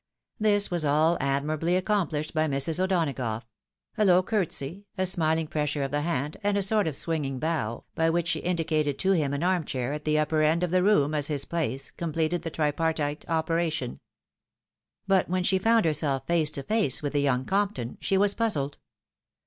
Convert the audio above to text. This was all admirably accom plished by Mrs. O'Donagough ; a low courtesy, a smihng pressure of the hand, and a sort of swinging bow, by which, she EMBARRASSMENT. 169 indicated to him an arm chair at the upper end of the room as his place, completed the tripartite operation. But when she found herseK face to face with the young Compton, she was puzzled.